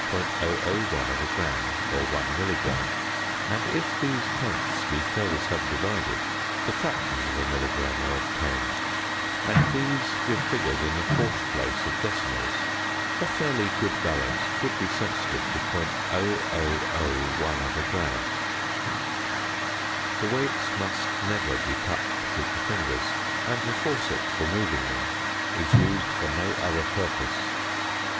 001 gram or 1 milligram, and if these tenths be further subdivided the fractions of a milligram are obtained; and these give figures in the fourth place of decimals. A fairly good balance should be sensitive to 0.0001 gram. The weights must never be touched with the fingers, and the forceps for moving them is used for no other purpose.